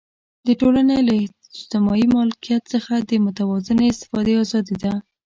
د ټولنې له اجتماعي ملکیت څخه د متوازنې استفادې آزادي ده.